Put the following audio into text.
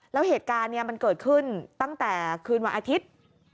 แล้วเหตุการณ์ตั้งแต่คืนวันอาทิตย์